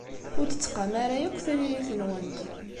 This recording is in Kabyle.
Ur d-tettqam ara akk tririt-nwent.